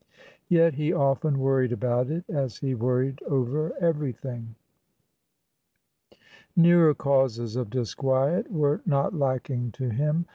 Yet he often worried about itas he worried over everything. Nearer causes of disquiet were not lacking to him.